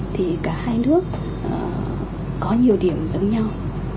thì cả hai nước có nhiều điểm giống nhau